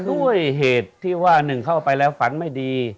ด้วยเหตุที่ว่าหนึ่งเข้าไปแล้วฝันไม่ดี